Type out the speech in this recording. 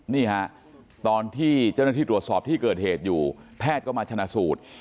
นี่ฮะตอนที่เจ้าหน้าที่ตรวจสอบที่เกิดเหตุอยู่แพทย์ก็มาชนะสูตร